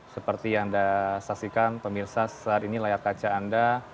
seperti yang anda saksikan pemirsa saat ini layar kaca anda